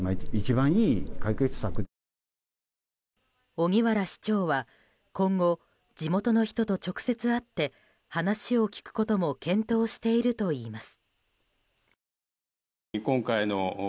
荻原市長は、今後地元の人と直接会って話を聞くことも検討しているといいます。